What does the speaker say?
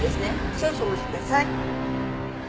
少々お待ちください。